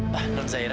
pak non zahira